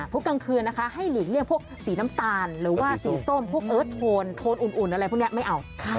กลางคืนนะคะให้หลีกเลี่ยงพวกสีน้ำตาลหรือว่าสีส้มพวกเอิร์ทโทนโทนอุ่นอะไรพวกนี้ไม่เอา